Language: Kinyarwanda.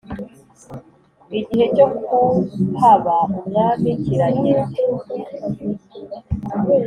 Igihe cyo kuhaba Umwami kirageze